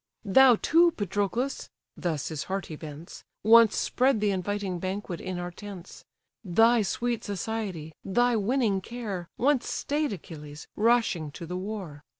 "Thou too, Patroclus! (thus his heart he vents) Once spread the inviting banquet in our tents: Thy sweet society, thy winning care, Once stay'd Achilles, rushing to the war.